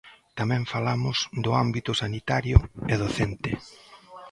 Tamén falamos do ámbito sanitario e docente.